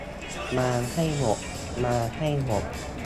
มาให้หมด มาให้หมด